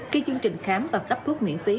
khi chương trình khám và phát thuốc miễn phí